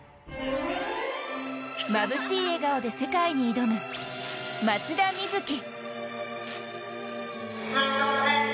まぶしい笑顔で世界に挑む松田瑞生。